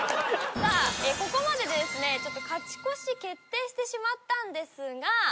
さあここまでですねちょっと勝ち越し決定してしまったんですが。